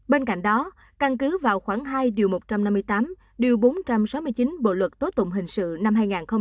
bên cạnh đó căn cứ vào khoảng hai một trăm năm mươi tám điều bốn trăm sáu mươi chín bộ luật tố tụng hình sự năm hai nghìn một mươi năm